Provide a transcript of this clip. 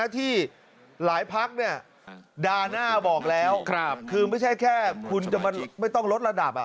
ที่หลายพักด่าหน้าบอกแล้วคือไม่ใช่แค่คุณจะไม่ต้องลดระดับ